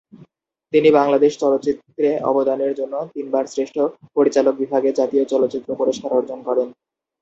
তিনি বাংলাদেশের চলচ্চিত্রে অবদানের জন্য তিন বার শ্রেষ্ঠ পরিচালক বিভাগে জাতীয় চলচ্চিত্র পুরস্কার অর্জন করেন।